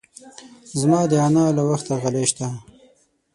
زما د انا له وخته غالۍ شته.